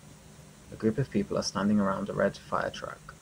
A group of people are standing around a red firetruck.